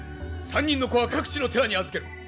３人の子は各地の寺に預ける。